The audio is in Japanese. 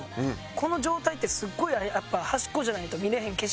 この状態ってすごいやっぱ端っこじゃないと見れへん景色やなと思って。